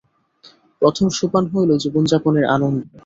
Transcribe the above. প্রথম সোপান হইল জীবনযাপনের আনন্দ।